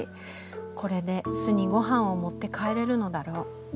これで巣にごはんを持って帰れるのだろう。